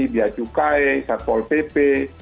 biaya cukai satpol pp